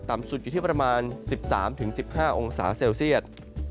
สุดอยู่ที่ประมาณ๑๓๑๕องศาเซลเซียต